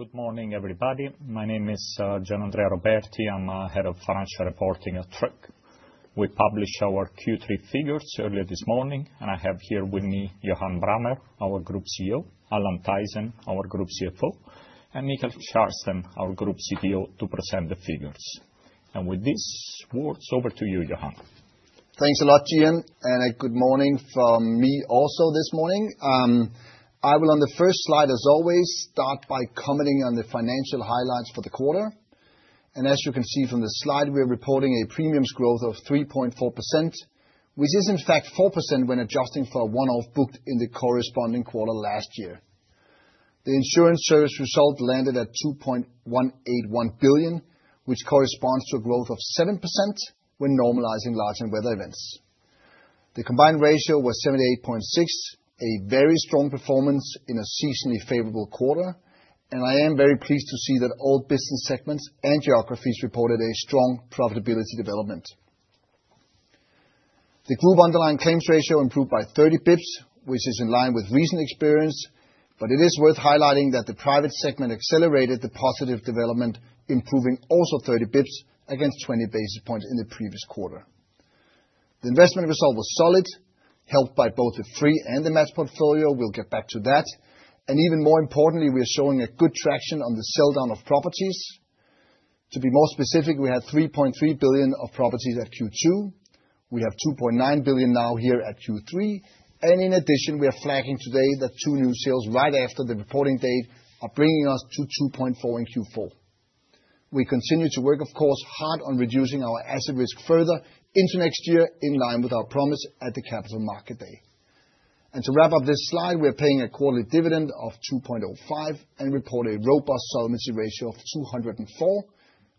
Good morning, everybody. My name is Gianandrea Roberti. I'm Head of Financial Reporting at Tryg. We published our Q3 figures earlier this morning, and I have here with me Johan Brammer, our Group CEO, Allan Thaysen, our Group CFO, and Mikael Kärrsten, our Group CTO, to present the figures. With this, the floor is over to you, Johan. Thanks a lot, Gian. A good morning from me also this morning. I will on the first slide, as always, start by commenting on the financial highlights for the quarter. As you can see from the slide, we are reporting a premiums growth of 3.4%, which is in fact 4% when adjusting for a one-off booked in the corresponding quarter last year. The insurance service result landed at 2.181 billion, which corresponds to a growth of 7% when normalizing large and weather events. The combined ratio was 78.6%, a very strong performance in a seasonally favorable quarter. I am very pleased to see that all business segments and geographies reported a strong profitability development. The group underlying claims ratio improved by 30 bips, which is in line with recent experience. It is worth highlighting that the private segment accelerated the positive development, improving also 30 bips against 20 basis points in the previous quarter. The investment result was solid, helped by both the free and the matched portfolio. We'll get back to that. Even more importantly, we are showing a good traction on the sell-down of properties. To be more specific, we had 3.3 billion of properties at Q2. We have 2.9 billion now here at Q3. In addition, we are flagging today that two new sales right after the reporting date are bringing us to 2.4 billion in Q4. We continue to work, of course, hard on reducing our asset risk further into next year in line with our promise at the Capital Markets Day. To wrap up this slide, we're paying a quarterly dividend of 2.05 and report a robust solvency ratio of 204%,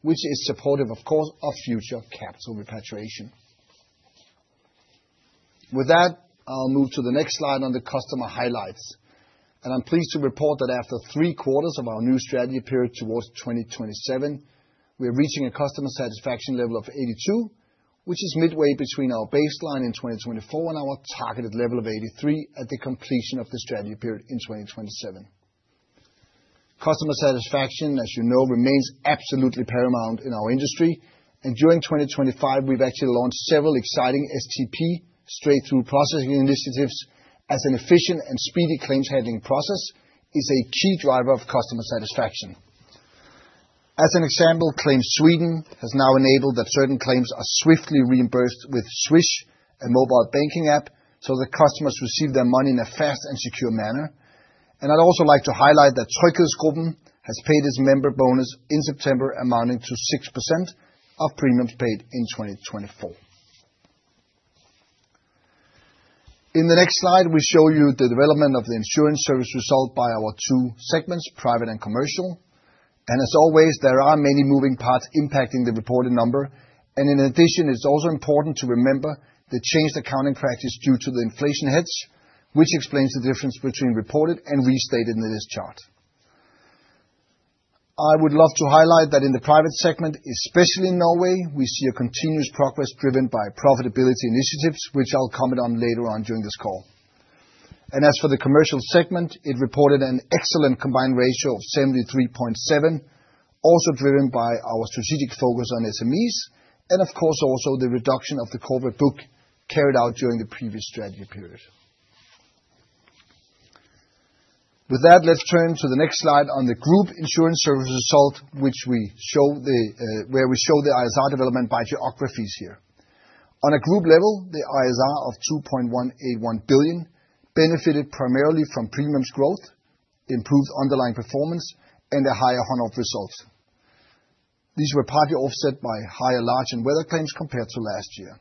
which is supportive of course of future capital repatriation. With that, I'll move to the next slide on the customer highlights. I'm pleased to report that after three quarters of our new strategy period towards 2027, we are reaching a customer satisfaction level of 82%, which is midway between our baseline in 2024 and our targeted level of 83% at the completion of the strategy period in 2027. Customer satisfaction, as you know, remains absolutely paramount in our industry, and during 2025, we've actually launched several exciting STP straight-through processing initiatives as an efficient and speedy claims handling process is a key driver of customer satisfaction. As an example, Claim Sweden has now enabled that certain claims are swiftly reimbursed with Swish, a mobile banking app. The customers receive their money in a fast and secure manner. I'd also like to highlight that TryghedsGruppen has paid its member bonus in September amounting to 6% of premiums paid in 2024. In the next slide, we show you the development of the insurance service result by our two segments, private and commercial. As always, there are many moving parts impacting the reported number. In addition, it's also important to remember the changed accounting practice due to the inflation hedge, which explains the difference between reported and restated in this chart. I would love to highlight that in the private segment, especially in Norway, we see a continuous progress driven by profitability initiatives, which I'll comment on later on during this call. As for the commercial segment, it reported an excellent combined ratio of 73.7%, also driven by our strategic focus on SMEs, and of course, also the reduction of the corporate book carried out during the previous strategy period. Let's turn to the next slide on the group insurance service result, where we show the ISR development by geographies here. On a group level, the ISR of 2.181 billion benefited primarily from premiums growth, improved underlying performance, and a higher run-off result. These were partly offset by higher large and weather claims compared to last year.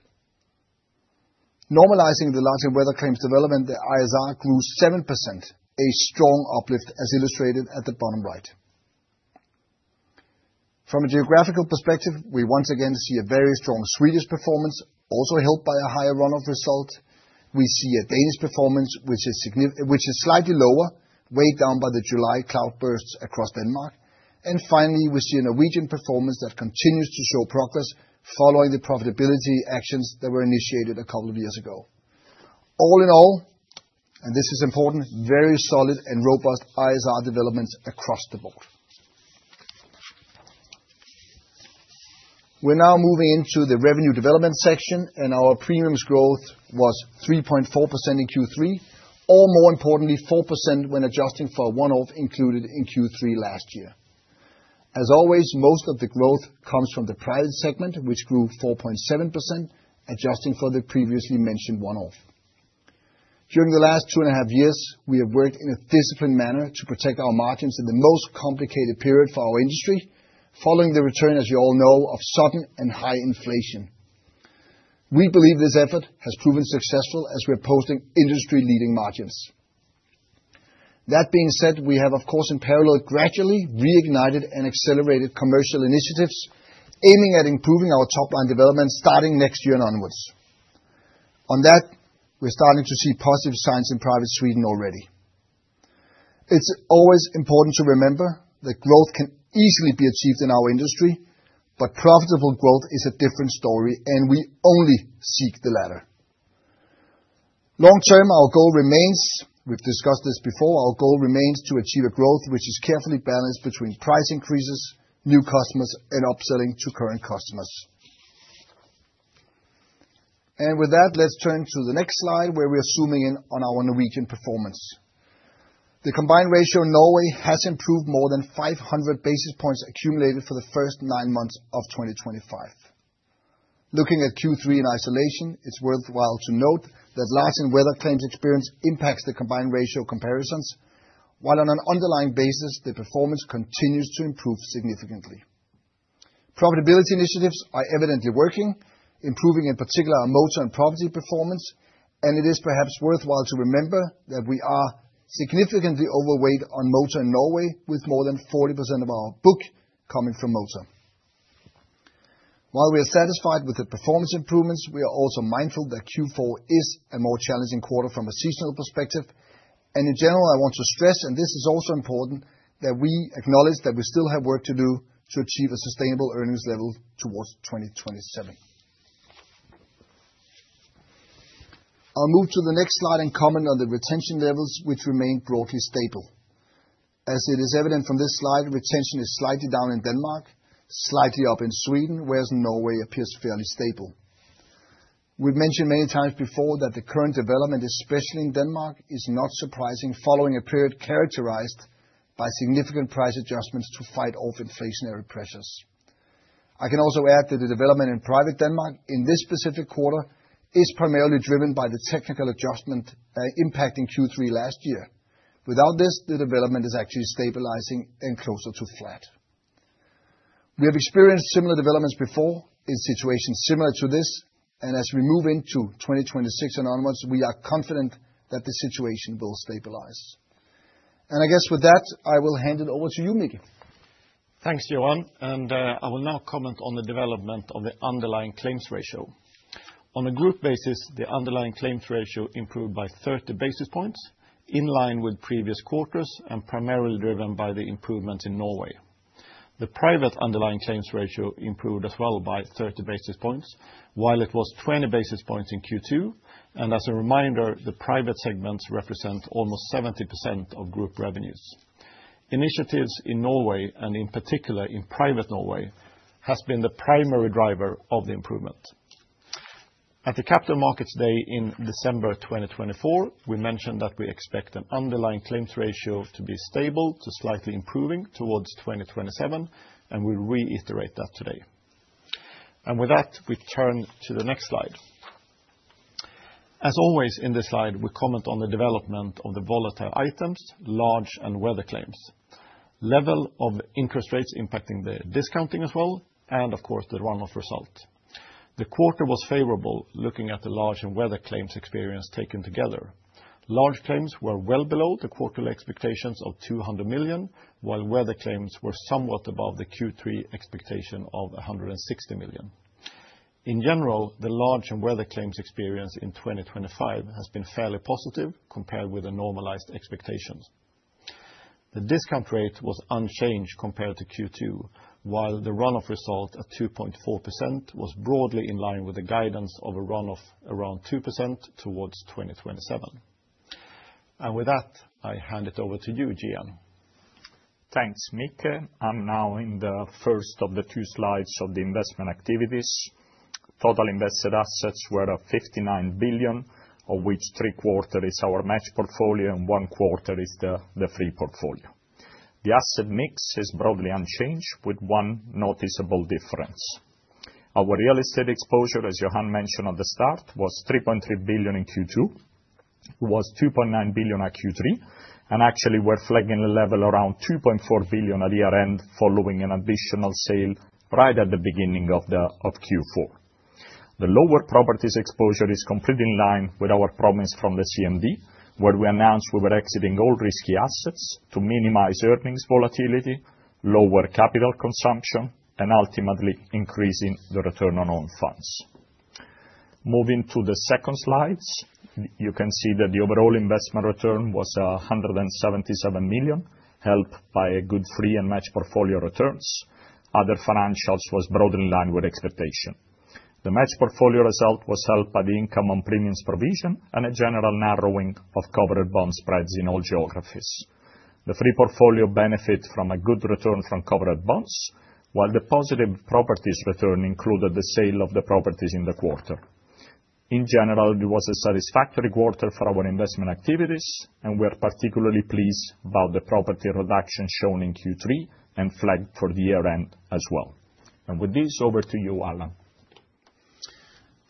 Normalizing the large and weather claims development, the ISR grew 7%, a strong uplift as illustrated at the bottom right. From a geographical perspective, we once again see a very strong Swedish performance, also helped by a higher run-off result. We see a Danish performance which is slightly lower, weighed down by the July cloud bursts across Denmark. Finally, we see a Norwegian performance that continues to show progress following the profitability actions that were initiated a couple of years ago. All in all, this is important, very solid and robust ISR developments across the board. We're now moving into the revenue development section, our premiums growth was 3.4% in Q3, or more importantly, 4% when adjusting for a one-off included in Q3 last year. As always, most of the growth comes from the private segment, which grew 4.7%, adjusting for the previously mentioned one-off. During the last two and a half years, we have worked in a disciplined manner to protect our margins in the most complicated period for our industry, following the return, as you all know, of sudden and high inflation. We believe this effort has proven successful as we're posting industry-leading margins. That being said, we have, of course, in parallel, gradually reignited and accelerated commercial initiatives aiming at improving our top-line development starting next year and onwards. On that, we're starting to see positive signs in private Sweden already. It's always important to remember that growth can easily be achieved in our industry, but profitable growth is a different story, and we only seek the latter. Long term, our goal remains, we've discussed this before, our goal remains to achieve a growth which is carefully balanced between price increases, new customers and upselling to current customers. With that, let's turn to the next slide, where we are zooming in on our Norwegian performance. The combined ratio in Norway has improved more than 500 basis points accumulated for the first nine months of 2025. Looking at Q3 in isolation, it's worthwhile to note that large and weather claims experience impacts the combined ratio comparisons, while on an underlying basis, the performance continues to improve significantly. Profitability initiatives are evidently working, improving in particular our motor and property performance, and it is perhaps worthwhile to remember that we are significantly overweight on motor in Norway with more than 40% of our book coming from motor. While we are satisfied with the performance improvements, we are also mindful that Q4 is a more challenging quarter from a seasonal perspective. In general, I want to stress, and this is also important, that we acknowledge that we still have work to do to achieve a sustainable earnings level towards 2027. I'll move to the next slide and comment on the retention levels, which remain broadly stable. It is evident from this slide, retention is slightly down in Denmark, slightly up in Sweden, whereas Norway appears fairly stable. We've mentioned many times before that the current development, especially in Denmark, is not surprising following a period characterized by significant price adjustments to fight off inflationary pressures. I can also add that the development in private Denmark in this specific quarter is primarily driven by the technical adjustment impacting Q3 last year. Without this, the development is actually stabilizing and closer to flat. We have experienced similar developments before in situations similar to this. As we move into 2026 and onwards, we are confident that the situation will stabilize. I guess with that, I will hand it over to you, Micke. Thanks, Johan, I will now comment on the development of the underlying claims ratio. On a group basis, the underlying claims ratio improved by 30 basis points, in line with previous quarters and primarily driven by the improvements in Norway. The private underlying claims ratio improved as well by 30 basis points, while it was 20 basis points in Q2, as a reminder, the private segment represents almost 70% of group revenues. Initiatives in Norway, and in particular in private Norway, has been the primary driver of the improvement. At the Capital Markets Day in December 2024, we mentioned that we expect an underlying claims ratio to be stable to slightly improving towards 2027. We reiterate that today. With that, we turn to the next slide. Always in this slide, we comment on the development of the volatile items, large and weather claims. Level of interest rates impacting the discounting as well, of course the run-off result. The quarter was favorable looking at the large and weather claims experience taken together. Large claims were well below the quarterly expectations of 200 million, while weather claims were somewhat above the Q3 expectation of 160 million. In general, the large and weather claims experience in 2025 has been fairly positive compared with the normalized expectations. The discount rate was unchanged compared to Q2, while the run-off result of 2.4% was broadly in line with the guidance of a run-off around 2% towards 2027. With that, I hand it over to you, Gian. Thanks, Micke. I'm now in the first of the two slides of the investment activities. Total invested assets were at 59 billion, of which three-quarter is our matched portfolio and one-quarter is the free portfolio. The asset mix is broadly unchanged with one noticeable difference. Our real estate exposure, as Johan mentioned at the start, was 3.3 billion in Q2, was 2.9 billion at Q3, and actually we're flagging the level around 2.4 billion at year-end following an additional sale right at the beginning of Q4. The lower properties exposure is completely in line with our promise from the CMD, where we announced we were exiting all risky assets to minimize earnings volatility, lower capital consumption, and ultimately increasing the return on own funds. Moving to the second slides, you can see that the overall investment return was 177 million, helped by a good free and matched portfolio returns. Other financials was broadly in line with expectation. The matched portfolio result was helped by the income on premiums provision and a general narrowing of covered bond spreads in all geographies. The free portfolio benefit from a good return from covered bonds, while the positive properties return included the sale of the properties in the quarter. In general, it was a satisfactory quarter for our investment activities, and we are particularly pleased about the property reduction shown in Q3 and flagged for the year-end as well. With this, over to you, Allan.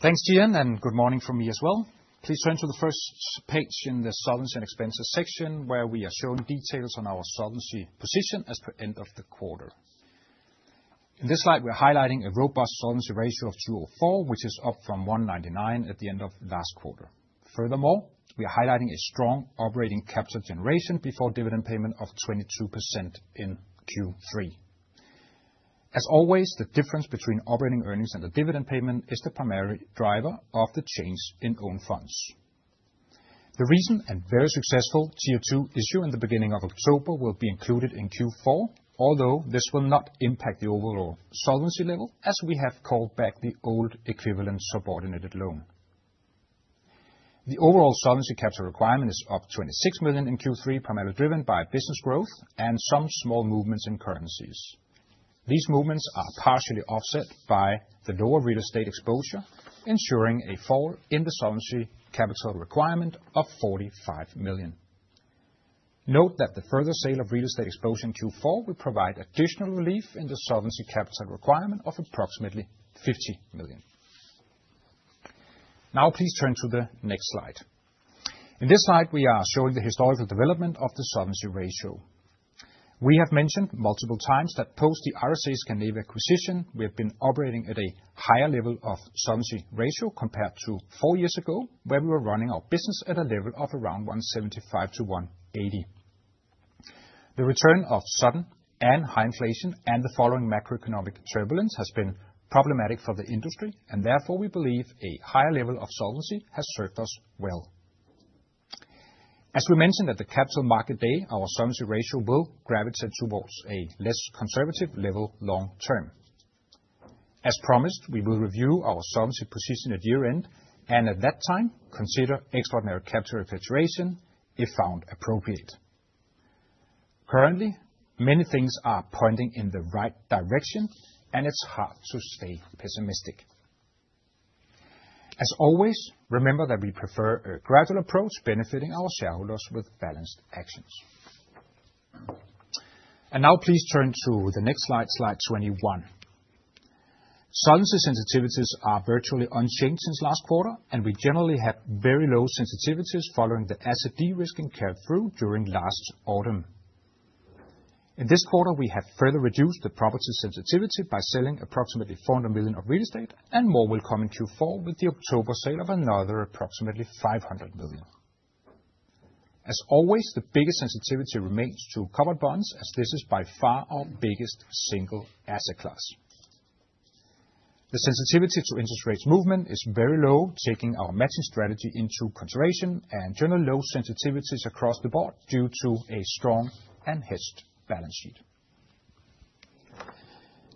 Thanks, Gian. Good morning from me as well. Please turn to the first page in the solvency and expenses section, where we are showing details on our solvency position as per end of the quarter. In this slide, we are highlighting a robust solvency ratio of 204, which is up from 199 at the end of last quarter. Furthermore, we are highlighting a strong operating capital generation before dividend payment of 22% in Q3. As always, the difference between operating earnings and the dividend payment is the primary driver of the change in own funds. The recent and very successful Tier 2 issue in the beginning of October will be included in Q4, although this will not impact the overall solvency level, as we have called back the old equivalent subordinated loan. The overall Solvency Capital Requirement is up 26 million in Q3, primarily driven by business growth and some small movements in currencies. These movements are partially offset by the lower real estate exposure, ensuring a fall in the Solvency Capital Requirement of 45 million. Note that the further sale of real estate exposure in Q4 will provide additional relief in the Solvency Capital Requirement of approximately 50 million. Now please turn to the next slide. In this slide, we are showing the historical development of the solvency ratio. We have mentioned multiple times that post the RSA Scandinavia acquisition, we have been operating at a higher level of solvency ratio compared to 4 years ago, where we were running our business at a level of around 175-180. The return of sudden and high inflation and the following macroeconomic turbulence has been problematic for the industry, therefore we believe a higher level of solvency has served us well. As we mentioned at the Capital Markets Day, our solvency ratio will gravitate towards a less conservative level long term. As promised, we will review our solvency position at year-end, at that time consider extraordinary capital repatriation if found appropriate. Currently, many things are pointing in the right direction, it's hard to stay pessimistic. As always, remember that we prefer a gradual approach benefiting our shareholders with balanced actions. Now please turn to the next slide 21. Solvency sensitivities are virtually unchanged since last quarter, and we generally have very low sensitivities following the asset de-risking carried through during last autumn. In this quarter, we have further reduced the property sensitivity by selling approximately 400 million of real estate, and more will come in Q4 with the October sale of another approximately 500 million. As always, the biggest sensitivity remains to covered bonds, as this is by far our biggest single asset class. The sensitivity to interest rates movement is very low, taking our matching strategy into consideration and generally low sensitivities across the board due to a strong and hedged balance sheet.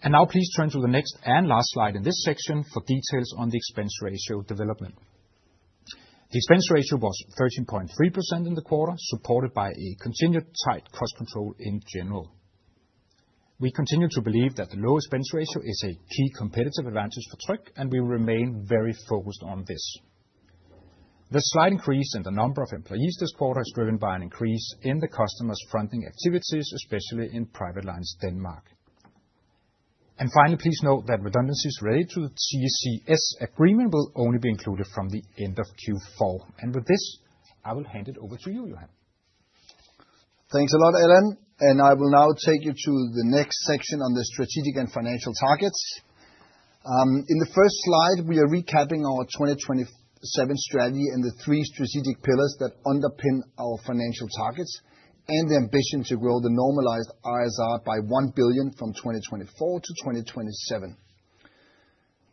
Now please turn to the next and last slide in this section for details on the expense ratio development. The expense ratio was 13.3% in the quarter, supported by a continued tight cost control in general. We continue to believe that the low expense ratio is a key competitive advantage for Tryg, and we remain very focused on this. The slight increase in the number of employees this quarter is driven by an increase in the customer fronting activities, especially in Private Lines Denmark. Finally, please note that redundancies related to the TCS agreement will only be included from the end of Q4. With this, I will hand it over to you, Johan. Thanks a lot, Allan. I will now take you to the next section on the strategic and financial targets. In the first slide, we are recapping our 2027 strategy and the three strategic pillars that underpin our financial targets and the ambition to grow the normalized ISR by 1 billion from 2024 to 2027.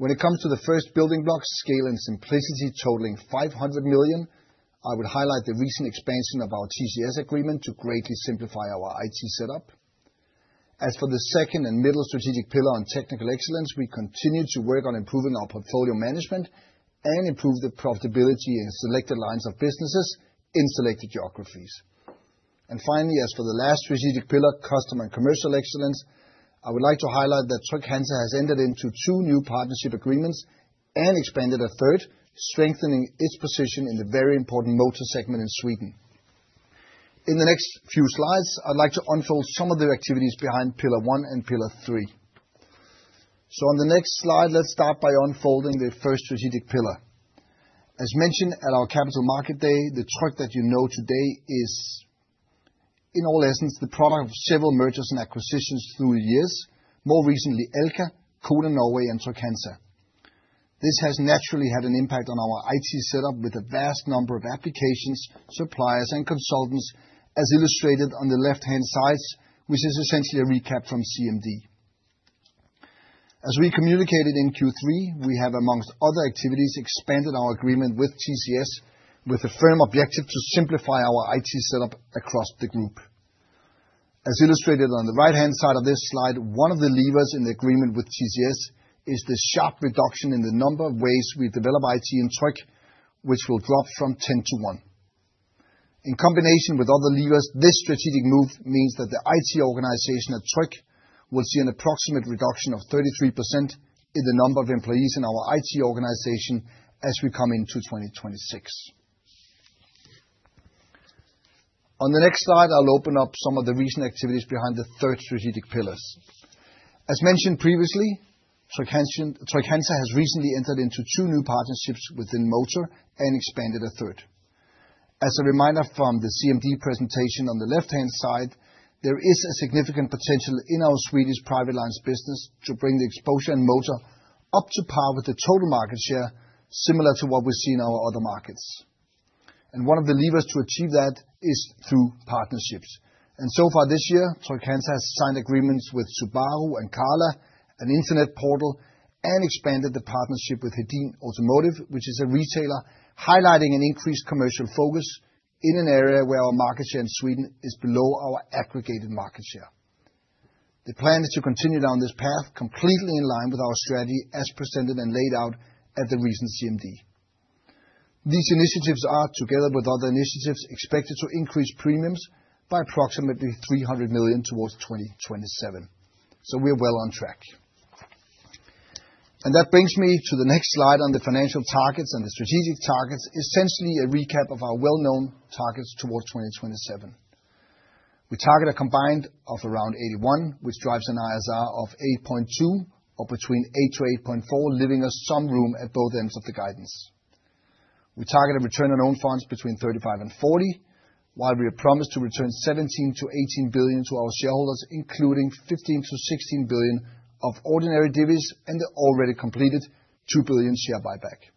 When it comes to the first building block, scale and simplicity totaling 500 million, I would highlight the recent expansion of our TCS agreement to greatly simplify our IT setup. As for the second and middle strategic pillar on technical excellence, we continue to work on improving our portfolio management and improve the profitability in selected lines of businesses in selected geographies. Finally, as for the last strategic pillar, customer and commercial excellence, I would like to highlight that Trygg-Hansa has entered into two new partnership agreements and expanded a third, strengthening its position in the very important motor segment in Sweden. In the next few slides, I'd like to unfold some of the activities behind pillar one and pillar three. On the next slide, let's start by unfolding the first strategic pillar. As mentioned at our Capital Markets Day, the Tryg that you know today is in all essence the product of several mergers and acquisitions through the years, more recently Alka, Codan Norway, and Trygg-Hansa. This has naturally had an impact on our IT setup with a vast number of applications, suppliers, and consultants as illustrated on the left-hand side, which is essentially a recap from CMD. As we communicated in Q3, we have, amongst other activities, expanded our agreement with TCS with a firm objective to simplify our IT setup across the group. As illustrated on the right-hand side of this slide, one of the levers in the agreement with TCS is the sharp reduction in the number of ways we develop IT in Tryg, which will drop from 10-1. In combination with other levers, this strategic move means that the IT organization at Tryg will see an approximate reduction of 33% in the number of employees in our IT organization as we come into 2026. The next slide, I'll open up some of the recent activities behind the third strategic pillars. As mentioned previously, Trygg-Hansa has recently entered into two new partnerships within motor and expanded a third. As a reminder from the CMD presentation on the left-hand side, there is a significant potential in our Swedish private lines business to bring the exposure in motor up to par with the total market share, similar to what we see in our other markets. One of the levers to achieve that is through partnerships. So far this year, Trygg-Hansa has signed agreements with Subaru and Carla, an internet portal, and expanded the partnership with Hedin Automotive, which is a retailer highlighting an increased commercial focus in an area where our market share in Sweden is below our aggregated market share. The plan is to continue down this path completely in line with our strategy as presented and laid out at the recent CMD. These initiatives are, together with other initiatives, expected to increase premiums by approximately 300 million towards 2027. We are well on track. That brings me to the next slide on the financial targets and the strategic targets, essentially a recap of our well-known targets towards 2027. We target a combined of around 81%, which drives an ISR of 8.2% or between 8%-8.4%, leaving us some room at both ends of the guidance. We target a return on own funds between 35% and 40%, while we have promised to return 17 billion-18 billion to our shareholders, including 15 billion-16 billion of ordinary divies and the already completed 2 billion share buyback.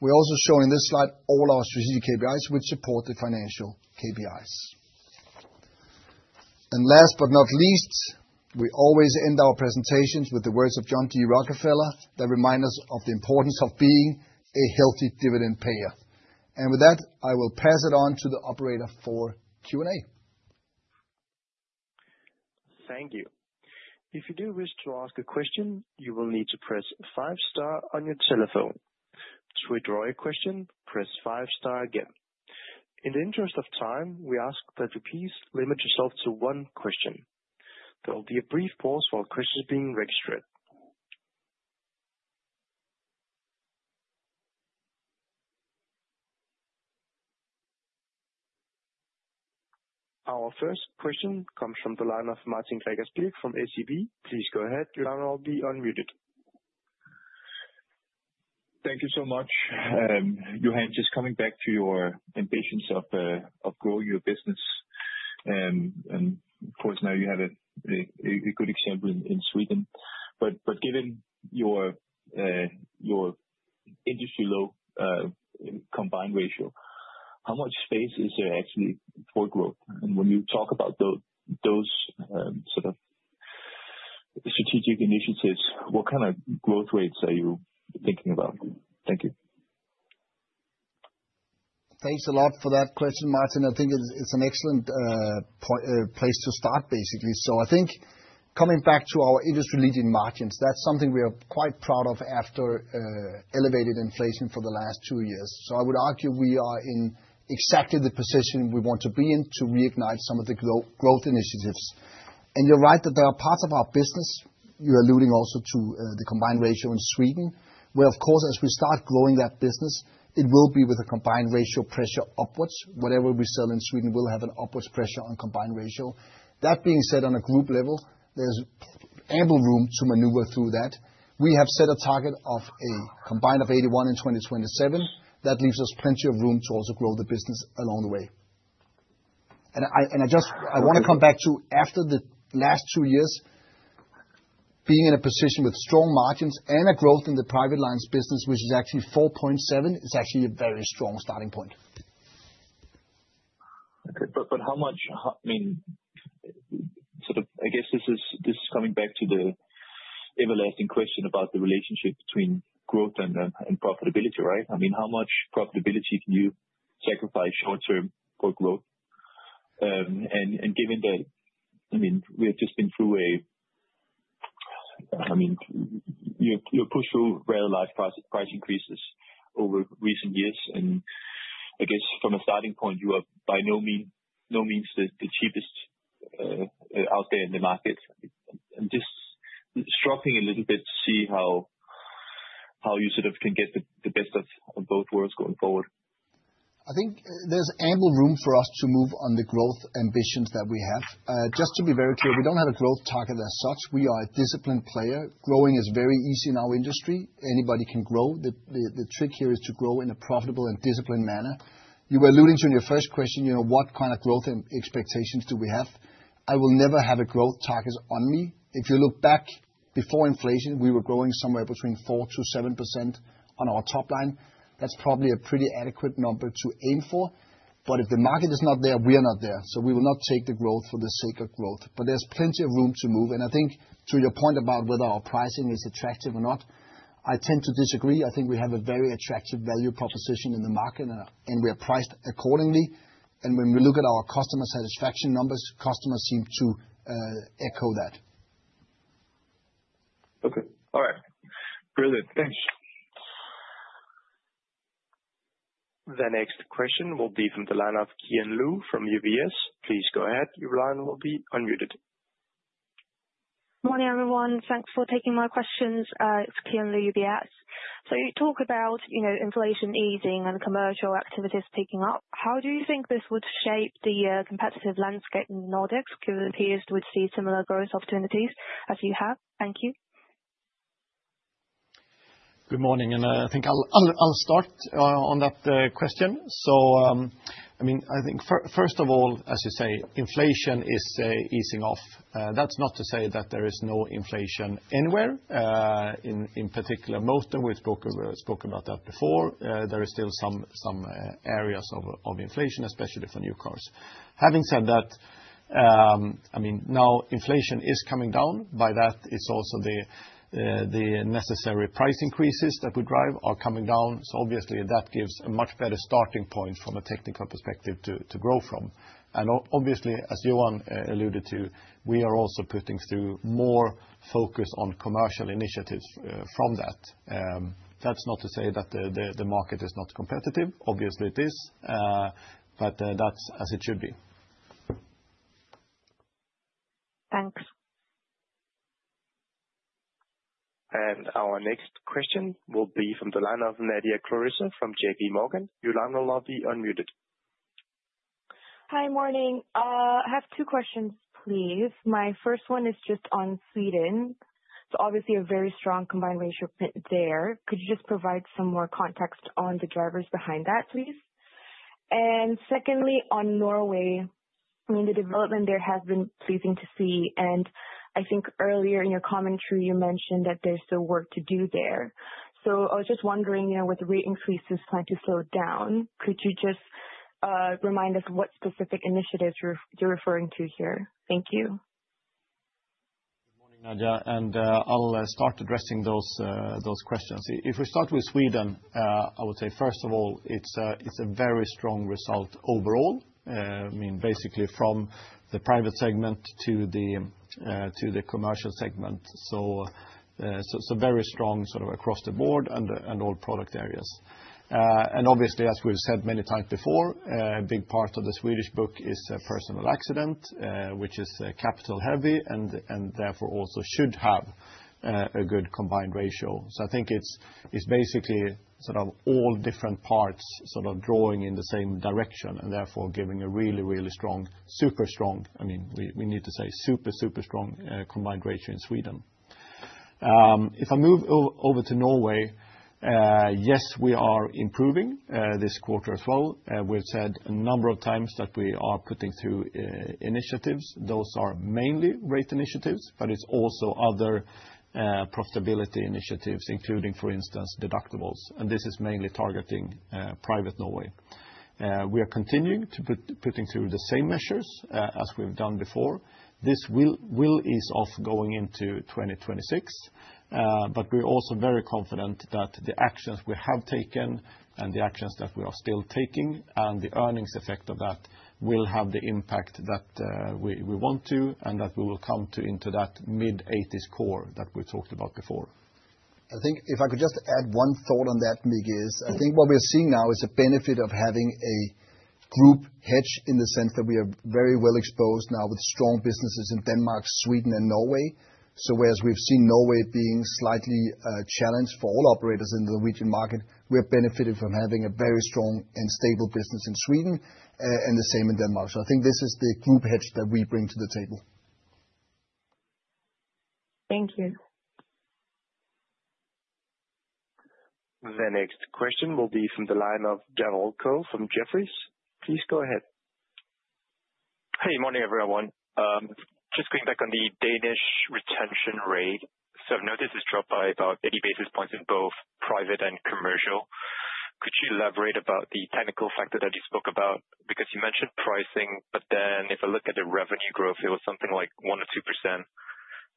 We also show in this slide all our strategic KPIs which support the financial KPIs. Last but not least, we always end our presentations with the words of John D. Rockefeller that remind us of the importance of being a healthy dividend payer. With that, I will pass it on to the operator for Q&A. Thank you. If you do wish to ask a question, you will need to press five star on your telephone. To withdraw your question, press five star again. In the interest of time, we ask that you please limit yourself to one question. There will be a brief pause while question is being registered. Our first question comes from the line of Martin Gregers Birk from SEB. Please go ahead. Your line will be unmuted. Thank you so much. Johan, just coming back to your ambitions of growing your business, and of course, now you have a good example in Sweden. Given your industry low combined ratio, how much space is there actually for growth? When you talk about those sort of strategic initiatives, what kind of growth rates are you thinking about? Thank you. Thanks a lot for that question, Martin. I think it's an excellent place to start, basically. I think coming back to our industry-leading margins, that's something we are quite proud of after elevated inflation for the last two years. I would argue we are in exactly the position we want to be in to reignite some of the growth initiatives. You're right that there are parts of our business, you're alluding also to the combined ratio in Sweden, where of course, as we start growing that business, it will be with a combined ratio pressure upwards. Whatever we sell in Sweden will have an upwards pressure on combined ratio. That being said, on a group level, there's ample room to maneuver through that. We have set a target of a combined of 81 in 2027. That leaves us plenty of room to also grow the business along the way. I. Okay. I wanna come back to after the last two years, being in a position with strong margins and a growth in the Private Lines business, which is actually 4.7%, is actually a very strong starting point. Okay. how much, I mean, sort of, I guess this is coming back to the everlasting question about the relationship between growth and profitability, right? I mean, how much profitability can you sacrifice short term for growth? And given that, I mean, you've pushed through very large price increases over recent years, and I guess from a starting point, you are by no means the cheapest out there in the market. I'm just struggling a little bit to see how you sort of can get the best of both worlds going forward. I think there's ample room for us to move on the growth ambitions that we have. Just to be very clear, we don't have a growth target as such. We are a disciplined player. Growing is very easy in our industry. Anybody can grow. The trick here is to grow in a profitable and disciplined manner. You were alluding to in your first question, you know, what kind of growth expectations do we have? I will never have a growth target on me. If you look back before inflation, we were growing somewhere between 4%-7% on our top line. That's probably a pretty adequate number to aim for. If the market is not there, we are not there, so we will not take the growth for the sake of growth. There's plenty of room to move. I think to your point about whether our pricing is attractive or not, I tend to disagree. I think we have a very attractive value proposition in the market and we are priced accordingly. When we look at our customer satisfaction numbers, customers seem to echo that. Okay. All right. Brilliant. Thanks. The next question will be from the line of Qian Lu from UBS. Please go ahead. Your line will be unmuted. Morning, everyone. Thanks for taking my questions. It's Qian Lu, UBS. You talk about, you know, inflation easing and commercial activities picking up. How do you think this would shape the competitive landscape in Nordics? Could peers would see similar growth opportunities as you have? Thank you. Good morning, I think I'll start on that question. I mean, I think first of all, as you say, inflation is easing off. That's not to say that there is no inflation anywhere. In particular, most of we've spoken about that before. There is still some areas of inflation, especially for new cars. Having said that, I mean, now inflation is coming down. By that, it's also the necessary price increases that we drive are coming down. Obviously, that gives a much better starting point from a technical perspective to grow from. Obviously, as Johan alluded to, we are also putting through more focus on commercial initiatives from that. That's not to say that the market is not competitive. Obviously, it is. That's as it should be. Thanks. Our next question will be from the line of Nadia Claressa from J.P. Morgan. Your line will now be unmuted. Hi, morning. I have two questions, please. My first one is just on Sweden. obviously a very strong combined ratio there. Could you just provide some more context on the drivers behind that, please? secondly, on Norway, I mean, the development there has been pleasing to see, and I think earlier in your commentary you mentioned that there's still work to do there. I was just wondering, you know, with rate increases starting to slow down, could you just remind us what specific initiatives you're referring to here? Thank you. Good morning, Nadia. I'll start addressing those questions. We start with Sweden, I would say first of all it's a very strong result overall. I mean, basically from the private segment to the commercial segment. Very strong sort of across the board and all product areas. Obviously, as we've said many times before, a big part of the Swedish book is personal accident, which is capital heavy and therefore also should have a good combined ratio. I think it's basically sort of all different parts sort of drawing in the same direction and therefore giving a really strong, super strong, I mean, we need to say super strong, combined ratio in Sweden. If I move over to Norway, yes, we are improving this quarter as well. We've said a number of times that we are putting through initiatives. Those are mainly rate initiatives, but it's also other profitability initiatives, including, for instance, deductibles. This is mainly targeting private Norway. We are continuing to putting through the same measures as we've done before. This will ease off going into 2026. We're also very confident that the actions we have taken and the actions that we are still taking and the earnings effect of that will have the impact that we want to, and that we will come to into that mid-eighties core that we talked about before. I think if I could just add one thought on that, Mik, is I think what we are seeing now is the benefit of having a group hedge in the sense that we are very well exposed now with strong businesses in Denmark, Sweden and Norway. Whereas we've seen Norway being slightly challenged for all operators in the Norwegian market, we have benefited from having a very strong and stable business in Sweden and the same in Denmark. I think this is the group hedge that we bring to the table. Thank you. The next question will be from the line of Derald Goh from Jefferies. Please go ahead. Hey, morning, everyone. Just going back on the Danish retention rate. Notice it's dropped by about 80 basis points in both private and commercial. Could you elaborate about the technical factor that you spoke about? You mentioned pricing, but then if I look at the revenue growth, it was something like 1%-2%.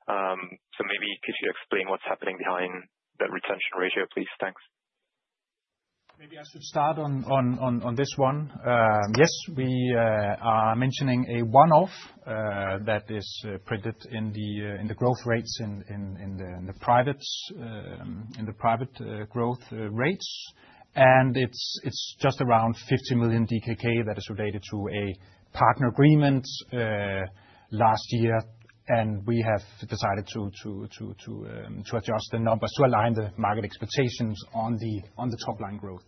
Maybe could you explain what's happening behind that retention ratio, please? Thanks. Maybe I should start on this one. Yes, we are mentioning a one-off that is printed in the growth rates in the Privates, in the Private growth rates. It's just around 50 million DKK that is related to a partner agreement last year. We have decided to adjust the numbers to align the market expectations on the top line growth.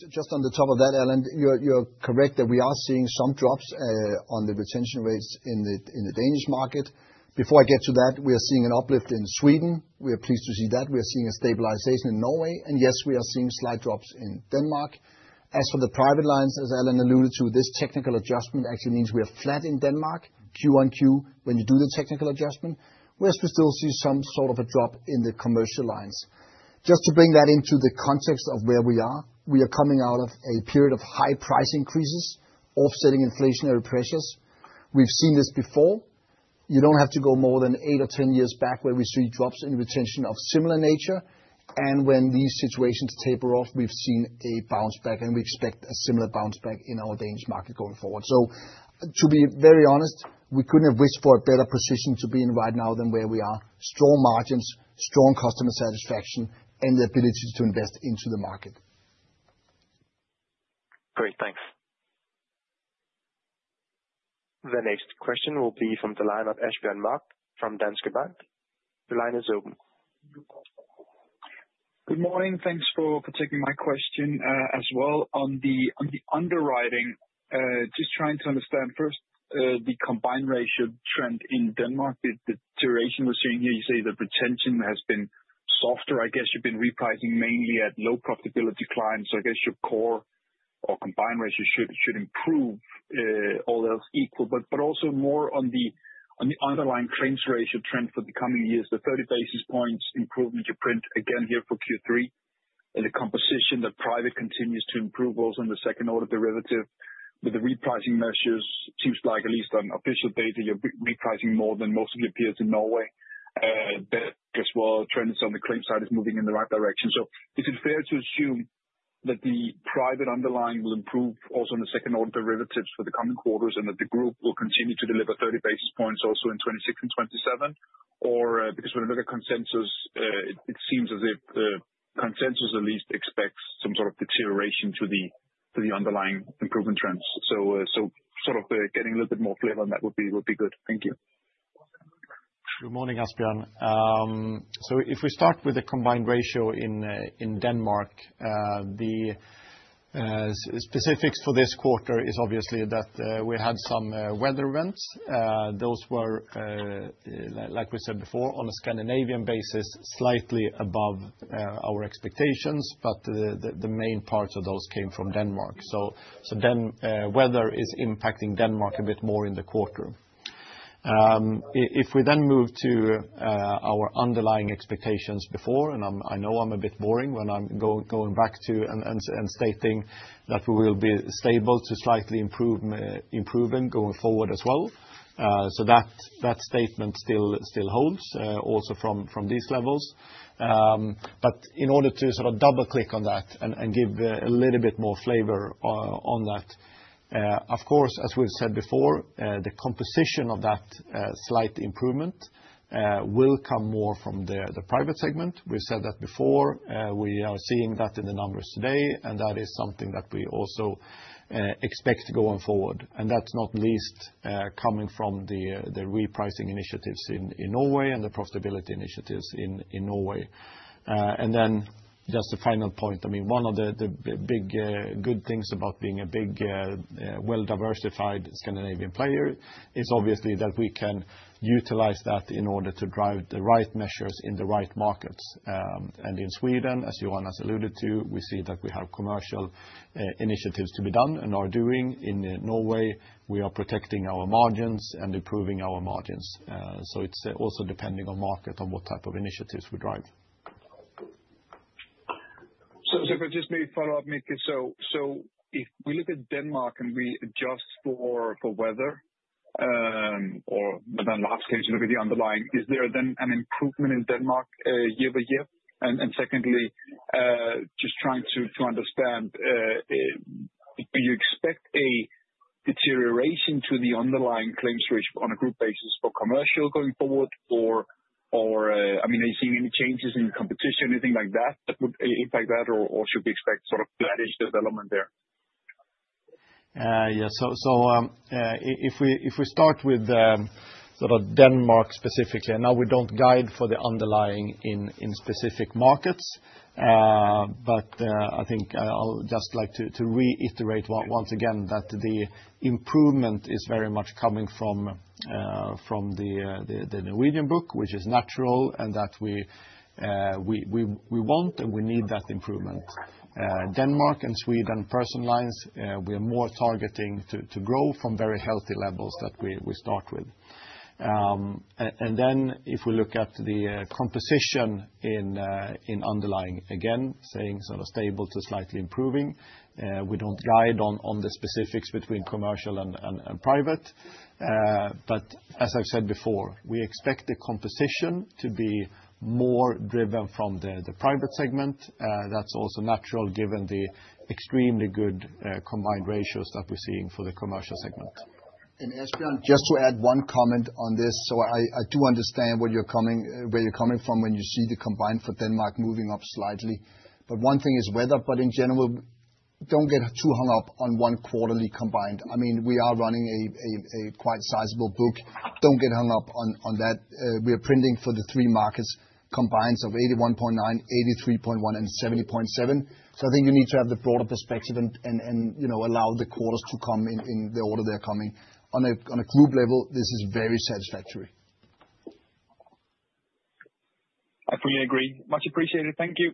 Just on the top of that, Allan, you're correct that we are seeing some drops on the retention rates in the Danish market. Before I get to that, we are seeing an uplift in Sweden. We are pleased to see that. We are seeing a stabilization in Norway. Yes, we are seeing slight drops in Denmark. As for the private lines, as Allan alluded to, this technical adjustment actually means we are flat in Denmark Q on Q when you do the technical adjustment. We still see some sort of a drop in the commercial lines. Just to bring that into the context of where we are, we are coming out of a period of high price increases offsetting inflationary pressures. We've seen this before. You don't have to go more than 8 or 10 years back where we see drops in retention of similar nature. When these situations taper off, we've seen a bounce back, and we expect a similar bounce back in our Danish market going forward. To be very honest, we couldn't have wished for a better position to be in right now than where we are. Strong margins, strong customer satisfaction, and the ability to invest into the market. Great. Thanks. The next question will be from the line of Asbjørn Mørk from Danske Bank. The line is open. Good morning. Thanks for taking my question as well. On the underwriting, just trying to understand first, the combined ratio trend in Denmark. The duration we're seeing here, you say the retention has been softer. I guess you've been repricing mainly at low profitability clients, so I guess your core or combined ratio should improve, all else equal. Also more on the underlying claims ratio trend for the coming years, the 30 basis points improvement you print again here for Q3, and the composition that private continues to improve also on the second order derivative. With the repricing measures, seems like at least on official data, you're repricing more than most of your peers in Norway. Guess well trends on the claim side is moving in the right direction. Is it fair to assume that the private underlying will improve also on the second order derivatives for the coming quarters, and that the group will continue to deliver 30 basis points also in 2026 and 2027? Because when we look at consensus, it seems as if the consensus at least expects some sort of deterioration to the underlying improvement trends. Sort of, getting a little bit more flavor on that would be good. Thank you. Good morning, Asbjørn. If we start with the combined ratio in Denmark, the specifics for this quarter is obviously that we had some weather events. Those were, like we said before, on a Scandinavian basis, slightly above our expectations, the main parts of those came from Denmark. Weather is impacting Denmark a bit more in the quarter. If we move to our underlying expectations before, I know I'm a bit boring when I'm going back to and stating that we will be stable to slightly improving going forward as well. That statement still holds also from these levels. In order to sort of double-click on that and give a little bit more flavor on that, of course, as we've said before, the composition of that slight improvement will come more from the private segment. We've said that before. We are seeing that in the numbers today, and that is something that we also expect going forward. That's not least coming from the repricing initiatives in Norway and the profitability initiatives in Norway. Just a final point, I mean, one of the big good things about being a big, well-diversified Scandinavian player is obviously that we can utilize that in order to drive the right measures in the right markets. In Sweden, as Johan has alluded to, we see that we have commercial initiatives to be done and are doing. In Norway, we are protecting our margins and improving our margins. It's also depending on market on what type of initiatives we drive. If I just may follow up, Mik. If we look at Denmark and we adjust for weather, or then last season with the underlying, is there then an improvement in Denmark year-over-year? Secondly, just trying to understand, do you expect a deterioration to the underlying claims ratio on a group basis for commercial going forward? Or, I mean, are you seeing any changes in competition, anything like that would impact that? Or should we expect sort of managed development there? Yes. If we start with Denmark specifically, now we don't guide for the underlying in specific markets. But I think I'll just like to reiterate once again that the improvement is very much coming from the Norwegian book, which is natural and that we want and we need that improvement. Denmark and Sweden Personal Lines, we're more targeting to grow from very healthy levels that we start with. Then if we look at the composition in underlying, again, staying sort of stable to slightly improving, we don't guide on the specifics between commercial and private. As I've said before, we expect the composition to be more driven from the private segment. That's also natural given the extremely good combined ratios that we're seeing for the commercial segment. Asbjørn, just to add one comment on this. I do understand where you're coming from when you see the combined for Denmark moving up slightly. One thing is weather, but in general, don't get too hung up on one quarterly combined. I mean, we are running a quite sizable book. Don't get hung up on that. We are printing for the three markets combines of 81.9%, 83.1%, and 70.7%. I think you need to have the broader perspective and, you know, allow the quarters to come in the order they're coming. On a group level, this is very satisfactory. I fully agree. Much appreciated. Thank you.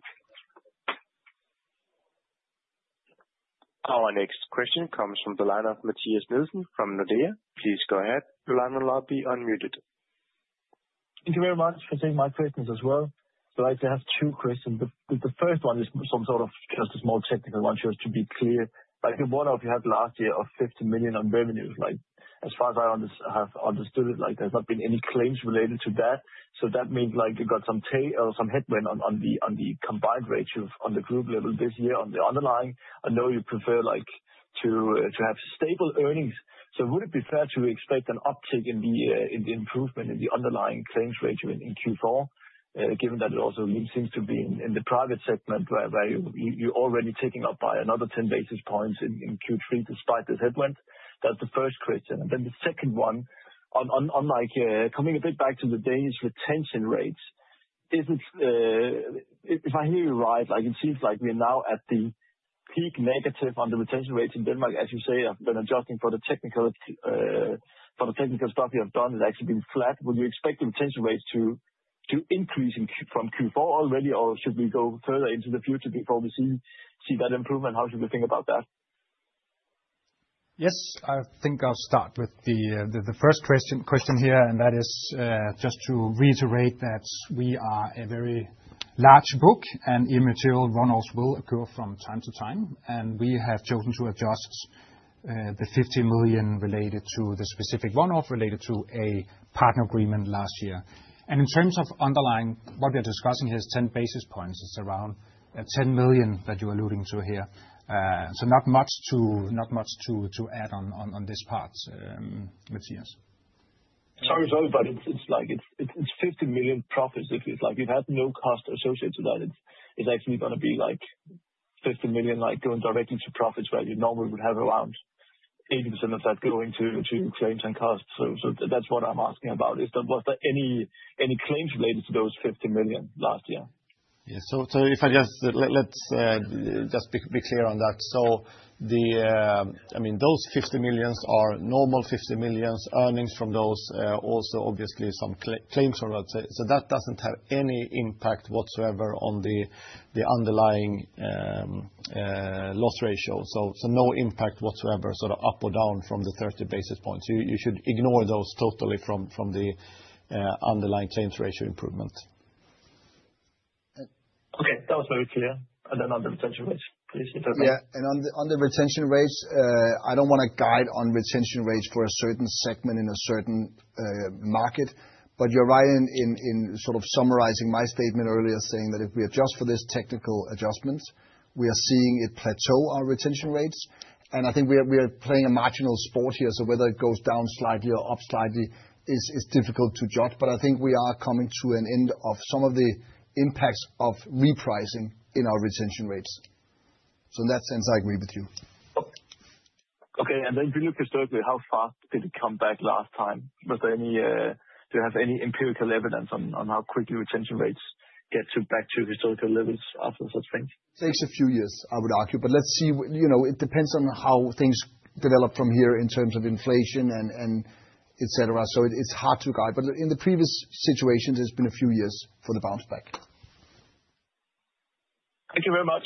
Our next question comes from the line of Mathias Nielsen from Nordea. Please go ahead. Your line will now be unmuted. Thank you very much for taking my questions as well. I just have two questions. The first one is some sort of just a small technical one, just to be clear. Like the one off you had last year of 50 million on revenues, like as far as I have understood it, like there's not been any claims related to that. That means like you've got some or some headwind on the combined ratios on the group level this year. On the underlying, I know you prefer like to have stable earnings. Would it be fair to expect an uptick in the improvement in the underlying claims ratio in Q4, given that it also really seems to be in the private segment where you're already ticking up by another 10 basis points in Q3 despite this headwind? That's the first question. The second one, on like, coming a bit back to the Danish retention rates, is it? If I hear you right, like it seems like we're now at the peak negative on the retention rates in Denmark. As you say, after adjusting for the technical, for the technical stuff you have done, it's actually been flat. Would you expect the retention rates to increase from Q4 already? Should we go further into the future before we see that improvement? How should we think about that? Yes. I think I'll start with the first question here, and that is just to reiterate that we are a very large book, and immaterial one-offs will occur from time to time, and we have chosen to adjust the 50 million related to the specific one-off related to a partner agreement last year. In terms of underlying, what we're discussing here is 10 basis points. It's around 10 million that you're alluding to here. Not much to add on this part, Matthias. Sorry to interrupt, but it's like 50 million profits. If it's like you've had no cost associated to that, it's actually gonna be, like, 50 million, like, going directly to profits where you normally would have around 80% of that going to claims and costs. That's what I'm asking about. Is that was there any claims related to those 50 million last year? Yeah. Let's just be clear on that. The I mean, those 50 million are normal 50 million. Earnings from those are also obviously some claims from that. That doesn't have any impact whatsoever on the underlying loss ratio. No impact whatsoever, sort of up or down from the 30 basis points. You should ignore those totally from the underlying claims ratio improvement. Okay. That was very clear. On the retention rates, please. Yeah. On the retention rates, I don't wanna guide on retention rates for a certain segment in a certain market. You're right in sort of summarizing my statement earlier saying that if we adjust for this technical adjustment, we are seeing it plateau our retention rates. I think we are playing a marginal sport here. Whether it goes down slightly or up slightly is difficult to judge. I think we are coming to an end of some of the impacts of repricing in our retention rates. In that sense, I agree with you. Okay. Then if you look historically, how fast did it come back last time? Do you have any empirical evidence on how quickly retention rates get back to historical levels after such change? Takes a few years, I would argue. Let's see. You know, it depends on how things develop from here in terms of inflation and et cetera. It's hard to guide. In the previous situations, it's been a few years for the bounce back. Thank you very much.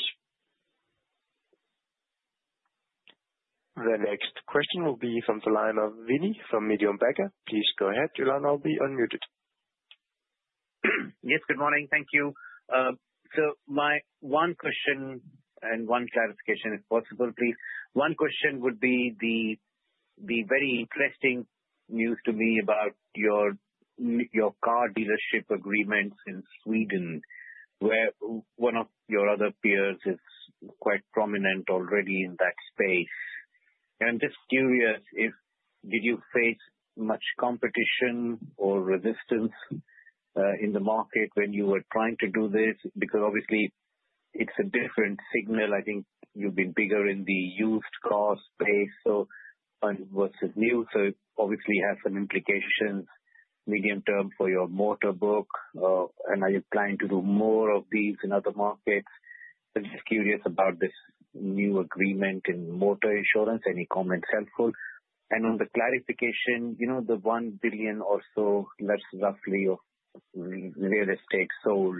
The next question will be from the line of Vinit from Mediobanca. Please go ahead. Your line will be unmuted. Yes, good morning. Thank you. My one question and one clarification, if possible, please. One question would be the very interesting news to me about your car dealership agreements in Sweden, where one of your other peers is quite prominent already in that space. I'm just curious if did you face much competition or resistance in the market when you were trying to do this? Because obviously it's a different signal. I think you've been bigger in the used car space, so, and versus new, so it obviously has some implications medium term for your motor book. Are you planning to do more of these in other markets? I'm just curious about this new agreement in motor insurance. Any comments helpful? On the clarification, you know, the 1 billion or so less roughly of real estate sold,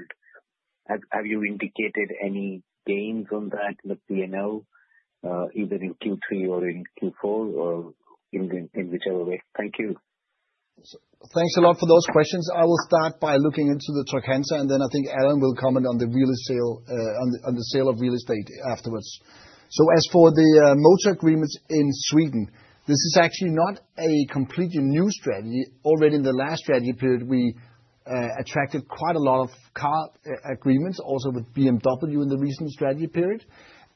have you indicated any gains on that in the P&L, either in Q3 or in Q4 or in the, in whichever way? Thank you. Thanks a lot for those questions. I will start by looking into the Trygg-Hansa, and then I think Allan will comment on the sale of real estate afterwards. As for the motor agreements in Sweden, this is actually not a completely new strategy. Already in the last strategy period we attracted quite a lot of car agreements also with BMW in the recent strategy period.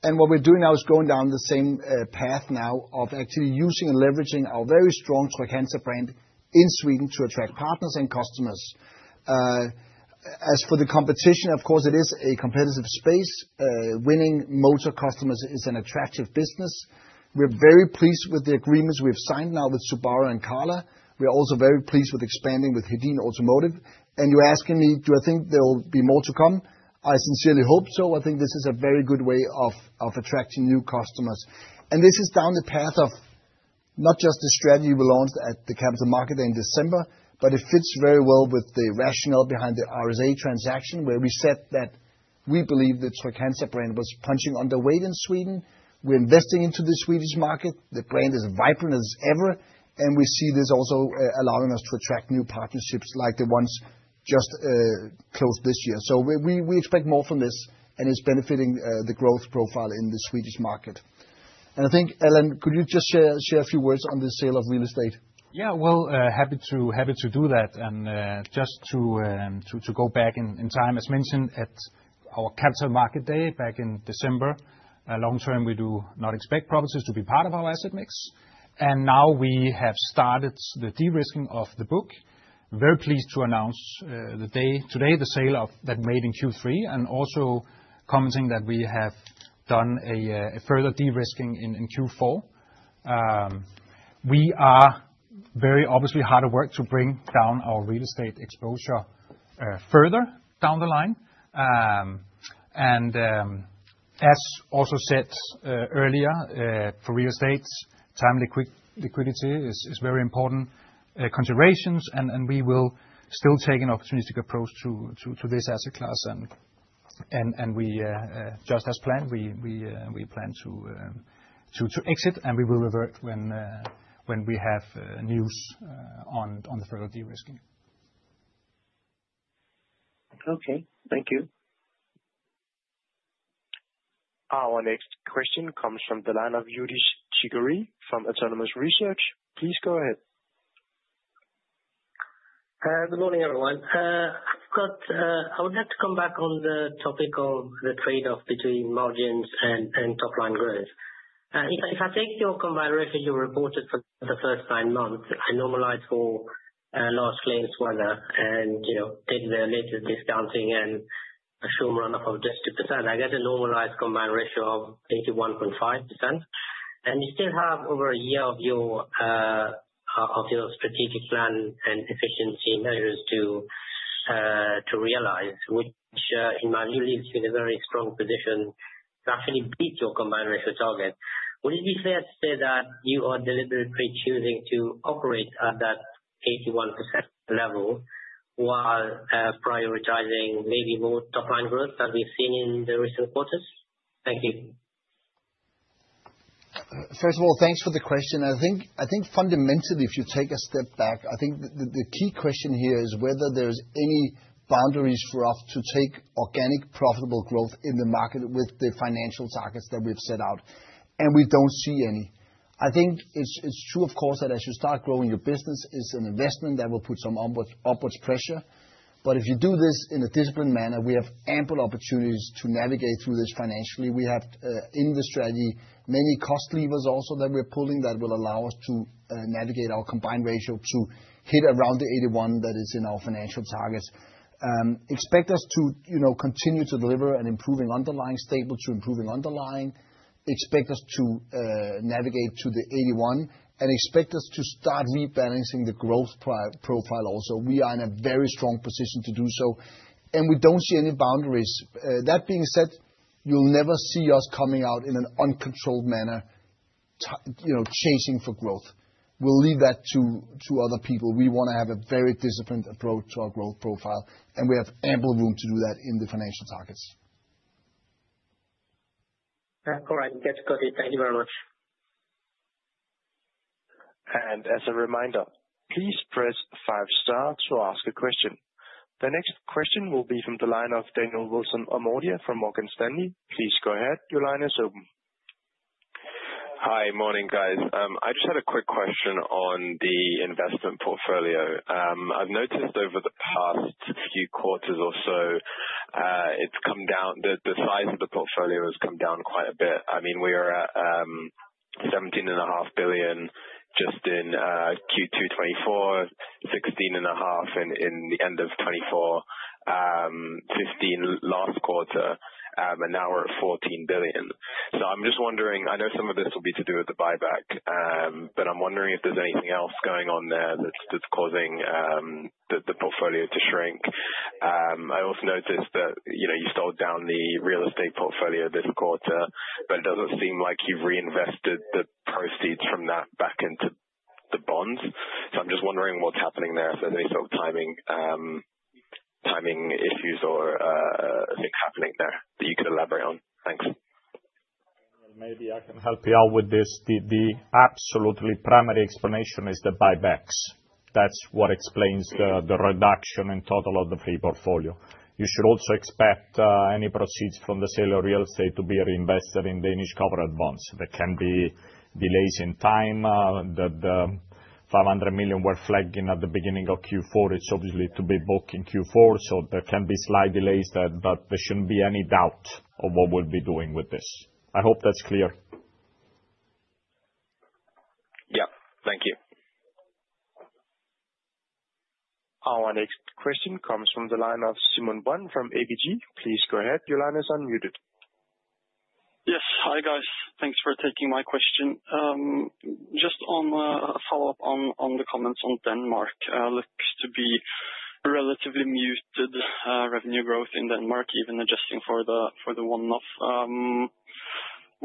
What we're doing now is going down the same path now of actually using and leveraging our very strong Trygg-Hansa brand in Sweden to attract partners and customers. As for the competition, of course it is a competitive space. Winning motor customers is an attractive business. We're very pleased with the agreements we've signed now with Subaru and Carla. We are also very pleased with expanding with Hedin Automotive. You're asking me, do I think there will be more to come? I sincerely hope so. I think this is a very good way of attracting new customers. This is down the path of not just the strategy we launched at the Capital Markets Day in December, but it fits very well with the rationale behind the RSA transaction, where we said that we believe the Trygg-Hansa brand was punching underweight in Sweden. We're investing into the Swedish market. The brand is vibrant as ever. We see this also allowing us to attract new partnerships like the ones just closed this year. We expect more from this and it's benefiting the growth profile in the Swedish market. I think, Allan, could you just share a few words on the sale of real estate? Yeah. Well, happy to do that. Just to go back in time, as mentioned at our Capital Markets Day back in December, long term, we do not expect properties to be part of our asset mix. Now we have started the de-risking of the book. Very pleased to announce today the sale of that made in Q3, and also commenting that we have done a further de-risking in Q4. We are very obviously hard at work to bring down our real estate exposure further down the line. As also said earlier, for real estates, timely quick liquidity is very important considerations. We will still take an opportunistic approach to this asset class, and we, just as planned, we plan to exit and we will revert when we have news on the further de-risking. Okay. Thank you. Our next question comes from the line of Youdish Chicooree from Autonomous Research. Please go ahead. Good morning, everyone. I would like to come back on the topic of the trade-off between margins and top line growth. If I take your combined ratio you reported for the first nine months, I normalize for last month's weather and, you know, did the latest discounting and assume run-off of just 2%, I get a normalized combined ratio of 81.5%. You still have over a year of your strategic plan and efficiency measures to realize which, in my view leaves you in a very strong position to actually beat your combined ratio target. Would it be fair to say that you are deliberately choosing to operate at that 81% level while prioritizing maybe more top line growth that we've seen in the recent quarters? Thank you. First of all, thanks for the question. I think fundamentally, if you take a step back, the key question here is whether there's any boundaries for us to take organic profitable growth in the market with the financial targets that we've set out. We don't see any. I think it's true, of course, that as you start growing your business, it's an investment that will put some upwards pressure. If you do this in a disciplined manner, we have ample opportunities to navigate through this financially. We have, in the strategy, many cost levers also that we're pulling that will allow us to navigate our combined ratio to hit around the 81 that is in our financial targets. Expect us to, you know, continue to deliver an improving underlying stable to improving underlying. Expect us to navigate to the 81%, and expect us to start rebalancing the growth profile also. We are in a very strong position to do so, and we don't see any boundaries. That being said, you'll never see us coming out in an uncontrolled manner, you know, chasing for growth. We'll leave that to other people. We wanna have a very disciplined approach to our growth profile, and we have ample room to do that in the financial targets. Yeah. All right. That's copy. Thank you very much. As a reminder, please press five star to ask a question. The next question will be from the line of Daniel Wilson-Omordia from Morgan Stanley. Please go ahead. Your line is open. Hi. Morning, guys. I just had a quick question on the investment portfolio. I've noticed over the past few quarters or so, the size of the portfolio has come down quite a bit. I mean, we are at 17.5 billion just in Q2 2024, DKK 16.5 billion in the end of 2024, 15 billion last quarter, and now we're at 14 billion. I'm just wondering, I know some of this will be to do with the buyback, I'm wondering if there's anything else going on there that's causing the portfolio to shrink. I also noticed that, you know, you sold down the real estate portfolio this quarter, it doesn't seem like you've reinvested the proceeds from that back into the bonds. I'm just wondering what's happening there. If there's any sort of timing issues or, things happening there that you could elaborate on. Thanks. Maybe I can help you out with this. The absolutely primary explanation is the buybacks. That's what explains the reduction in total of the free portfolio. You should also expect any proceeds from the sale of real estate to be reinvested in Danish corporate bonds. There can be delays in time that the 500 million we're flagging at the beginning of Q4 is obviously to be booked in Q4, so there can be slight delays there, but there shouldn't be any doubt of what we'll be doing with this. I hope that's clear. Yeah. Thank you. Our next question comes from the line of Simon Brun from ABG. Please go ahead. Your line is unmuted. Yes. Hi, guys. Thanks for taking my question. Just on a follow-up on the comments on Denmark. Looks to be a relatively muted revenue growth in Denmark, even adjusting for the one-off,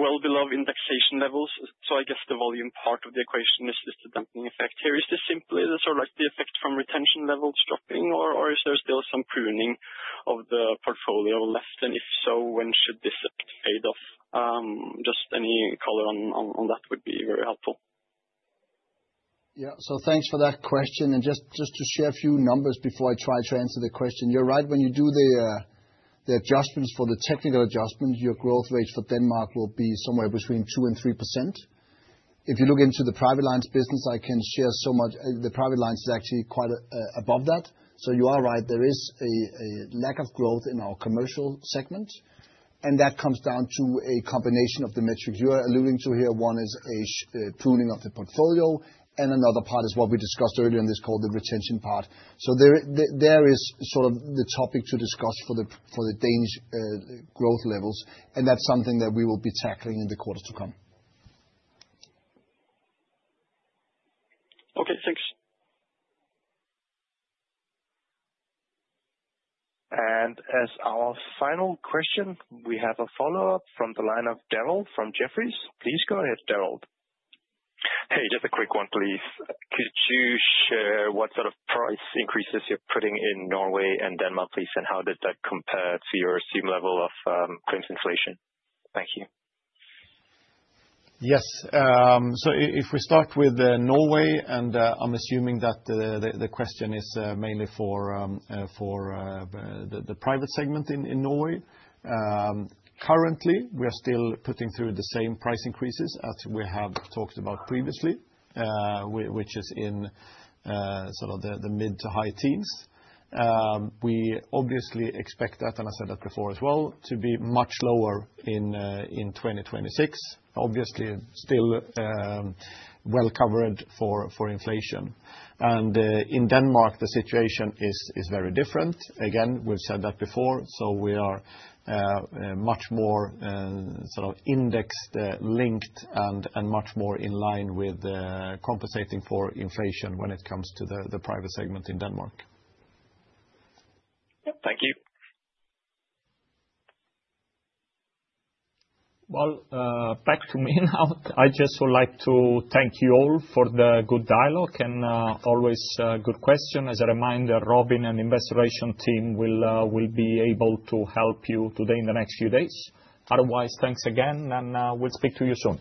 well below indexation levels. I guess the volume part of the equation is just the damping effect here. Is this simply the sort of like the effect from retention levels dropping or is there still some pruning of the portfolio less than? If so, when should this effect fade off? Just any color on that would be very helpful. Yeah. Thanks for that question. Just to share a few numbers before I try to answer the question. You're right, when you do the adjustments for the technical adjustments, your growth rates for Denmark will be somewhere between 2% and 3%. If you look into the Private Lines business, I can share so much. The Private Lines is actually quite above that. You are right, there is a lack of growth in our commercial segment, and that comes down to a combination of the metrics you are alluding to here. One is a pruning of the portfolio, and another part is what we discussed earlier on this call, the retention part. There is sort of the topic to discuss for the Danish growth levels. That's something that we will be tackling in the quarters to come. Okay, thanks. As our final question, we have a follow-up from the line of Derald from Jefferies. Please go ahead, Derald. Hey, just a quick one, please. Could you share what sort of price increases you're putting in Norway and Denmark, please. How did that compare to your assumed level of claims inflation? Thank you. Yes. If we start with Norway, I'm assuming that the question is mainly for the private segment in Norway. Currently, we are still putting through the same price increases as we have talked about previously, which is in sort of the mid to high teens. We obviously expect that, and I said that before as well, to be much lower in 2026. Obviously still well covered for inflation. In Denmark, the situation is very different. Again, we've said that before. We are much more sort of indexed linked and much more in line with compensating for inflation when it comes to the private segment in Denmark. Yep. Thank you. Well, back to me now. I just would like to thank you all for the good dialogue and always good question. As a reminder, Robin and Investor Relations team will be able to help you today in the next few days. Otherwise, thanks again, and we'll speak to you soon.